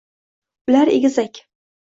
Ular egizak.